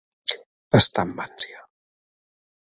Estar amb ànsia.